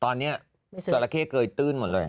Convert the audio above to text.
ตอนนี้เจ้าละเข้เกลืออยู่ตื้นหมดเลย